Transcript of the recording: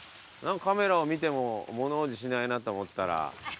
カメラを見ても物おじしないなと思ったら。